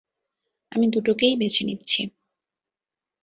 আমি দুটোকেই বেছে নিচ্ছি।